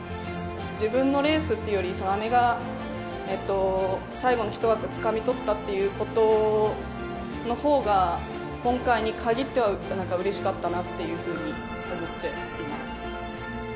自分のレースっていうより、姉が最後の１枠をつかみ取ったっていうことのほうが、今回に限っては、なんかうれしかったなっていうふうに思っています。